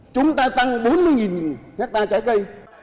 chúng ta tăng bốn mươi hectare trái cây